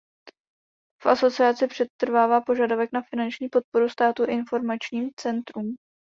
V asociaci přetrvává požadavek na finanční podporu státu informačním centrům.